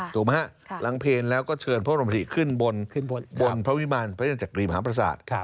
ถูกมั้ยฮะหลังเพลนแล้วก็เชิญพระบรมภิกษ์ขึ้นบนพระวิบาลพระเจ้าจักรีมหาปราศาสตร์